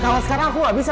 kalau sekarang aku gak bisa